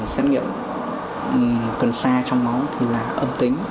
xét nghiệm cần sa trong máu thì là âm tính